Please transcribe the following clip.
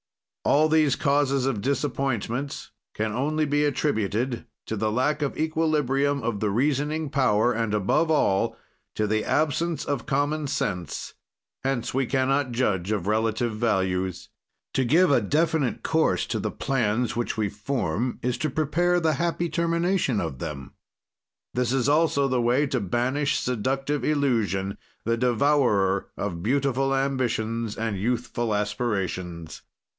"All these causes of disappointment can only be attributed to the lack of equilibrium of the reasoning power and, above all, to the absence of common sense, hence we cannot judge of relative values. "To give a definite course to the plans which we form is to prepare the happy termination of them. "This is also the way to banish seductive illusion, the devourer of beautiful ambitions and youthful aspirations."